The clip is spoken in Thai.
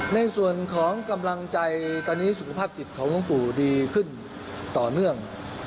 ในส่วนของกำลังใจตอนนี้สุขภาพจิตของหลวงปู่ดีขึ้นต่อเนื่อง